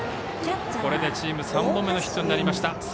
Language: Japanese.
これでチーム３本目のヒットになりました。